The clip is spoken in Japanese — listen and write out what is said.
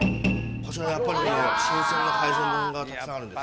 こちらやっぱり新鮮な海鮮丼がたくさんあるんですよね。